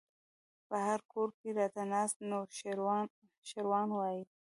په هر کور کې راته ناست نوشيروان وای